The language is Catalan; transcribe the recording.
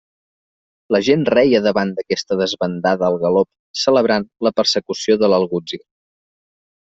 La gent reia davant d'aquesta desbandada al galop, celebrant la persecució de l'algutzir.